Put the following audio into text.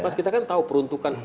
mas kita kan tahu peruntukan